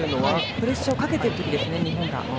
プレッシャーをかけてるときですね、日本が。